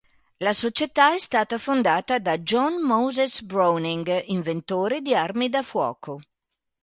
La società è stata fondata da John Moses Browning inventore di armi da fuoco.